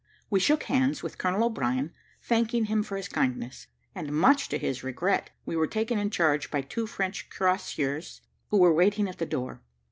We shook hands with Colonel O'Brien, thanking him for his kindness, and much to his regret, we were taken in charge by two French cuirassiers, who were waiting at the door.